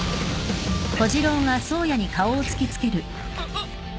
あっ！